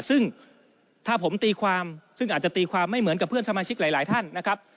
ซึ่งถ้าผมตีความซึ่งอาจจะตีความไม่เหมือนกับเพื่อนสมาชิกหลายท่านนะครับ